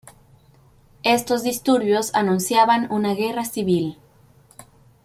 Estos disturbios anunciaban una guerra civil.